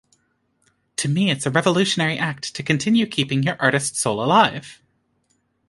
To me it's a revolutionary act to continue keeping your artist soul alive.